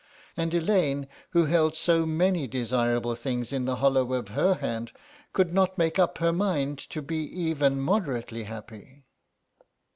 And Elaine, who held so many desirable things in the hollow of her hand, could not make up her mind to be even moderately happy.